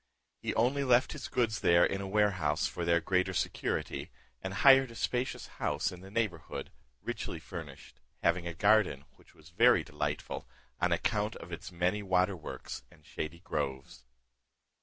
He only left his goods there in a warehouse for their greater security, and hired a spacious house in the neighbourhood, richly furnished, having a garden which was very delightful, on account of its many waterworks and shady groves.